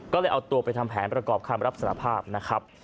ก็เลยเอาตัวไปทำแผนประกอบคำรับสารภาพนะครับ